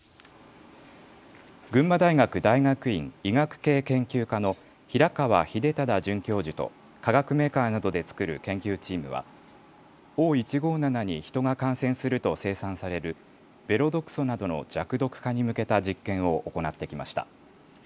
群馬大学大学院医学系研究科の平川秀忠准教授と化学メーカーなどで作る研究チームはＯ１５７にヒトが感染すると生産されるベロ毒素などの弱毒化に向けた実験を行ってきました。